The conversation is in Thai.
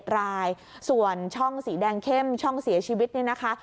๑รายส่วนช่องสีแดงเข้มช่องเสียชีวิตเนี่ยนะคะ